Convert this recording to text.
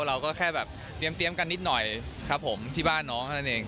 เราก็แค่แบบเตรียมกันนิดหน่อยครับผมที่บ้านน้องเท่านั้นเอง